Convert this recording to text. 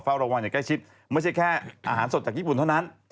ระวังอย่างใกล้ชิดไม่ใช่แค่อาหารสดจากญี่ปุ่นเท่านั้น